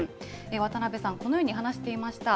渡邊さん、このように話していました。